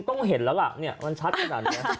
ต้องเห็นแล้วล่ะมันชัดอย่างนั้น